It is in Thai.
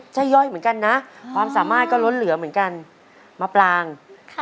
ใช่ย่อยเหมือนกันนะความสามารถก็ล้นเหลือเหมือนกันมะปรางค่ะ